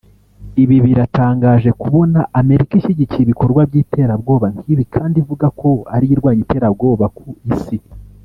Ibi biratangaje kubona Amerika ishyigikira ibikorwa by’iterabwoba nk’ibi kandi ivuga ko ariyo irwanya iterabwoba ku isi